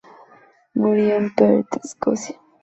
Murió en Perth, Escocia.